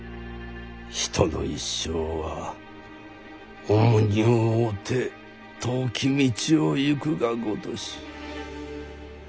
人の一生は重荷を負うて遠き道を行くがごとし。